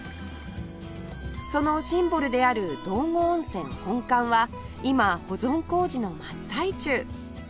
そのシンボルである道後温泉本館は今保存工事の真っ最中